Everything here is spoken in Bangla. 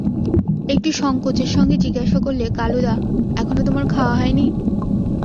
একটু সংকোচের সঙ্গে জিজ্ঞাসা করলে, কালুদা, এখনো তোমার খাওয়া হয় নি?